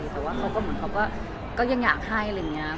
แต่ว่าเขาก็เหมือนเขาก็ยังอยากให้อะไรอย่างนี้ก็ขอบคุณนะคะ